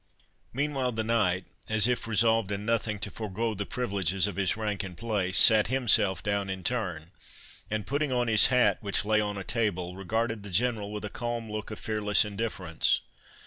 Meanwhile the knight, as if resolved in nothing to forego the privileges of his rank and place, sat himself down in turn, and putting on his hat, which lay on a table, regarded the General with a calm look of fearless indifference.